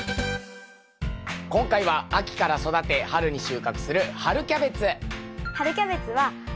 今回は秋から育て春に収穫する春キャベツ。